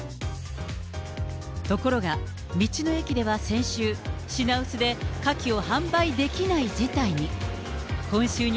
ところが、道の駅では先週、品薄でカキを販売できない事態に。